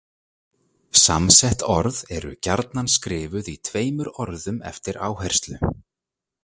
Samsett orð eru gjarnan skrifuð í tveimur orðum eftir áherslu.